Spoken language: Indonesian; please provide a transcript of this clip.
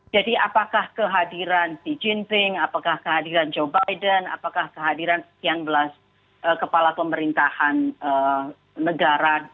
jadi apakah kehadiran xi jinping apakah kehadiran joe biden apakah kehadiran siang belas kepala pemerintahan negara